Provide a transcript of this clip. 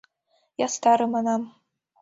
— Ястаре манам.